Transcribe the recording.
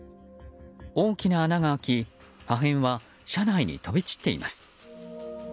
大きな穴が開き破片は車内に飛び散っています。